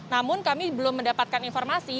namun kami belum mendapatkan informasi